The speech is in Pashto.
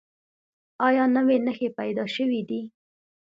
ایا نوي نښې پیدا شوي دي؟